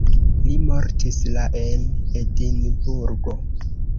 Li mortis la en Edinburgo.